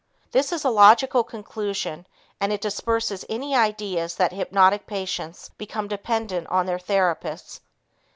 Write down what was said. This is a logical conclusion and it disperses any ideas that hypnotic patients become dependent on their therapists.